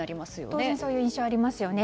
当然、そういう印象がありますよね。